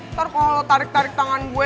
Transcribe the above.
ntar kalau tarik tarik tangan gue